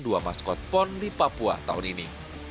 dua maskot pon di papua tahun ini